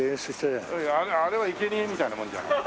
あれはいけにえみたいなもんじゃない。